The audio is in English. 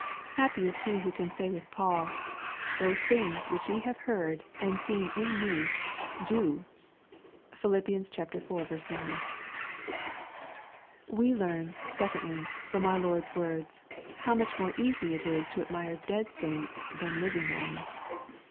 Happy is he who can say with Paul, " Those things which ye have heard and seen in me, do.'' (Philip, iv. 9.) We learn, secondly, from our Lord's words, how much more easy it is to admire dead saints than living ones.